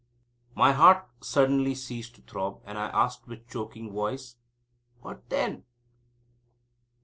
My heart suddenly ceased to throb, and I asked with choking voice: "What then?"